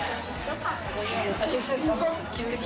急に？